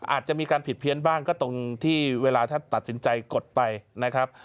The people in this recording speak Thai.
อาจจะมีการผิดเพี้ยนบ้างก็ตรงที่เวลาท่านตัดสินใจกดไปนะครับ